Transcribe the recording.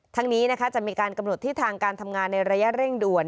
ทั้งนี้จะมีการกำหนดทิศทางการทำงานในระยะเร่งด่วน